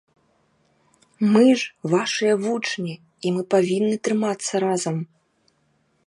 Мы ж вашыя вучні, і мы павінны трымацца разам.